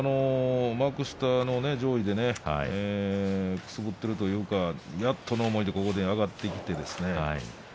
幕下の上位でくすぶっているというかやっとの思いでここに上がってきて。